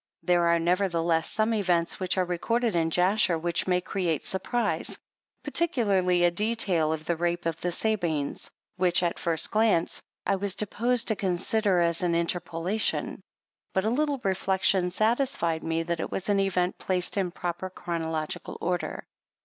There are, nevertheless, some events which are recorded in Jasher, which may create surprise, particularly a detail of the rape of the Sabines, which, at the first glance, I was disposed to con sider as an interpolation ; but a little reflection satisfied me that it was an event placed in proper chronological order.